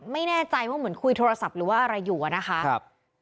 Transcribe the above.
ไม่แน่ใจว่าเหมือนคุยโทรศัพท์หรือว่าอะไรอยู่อะนะคะ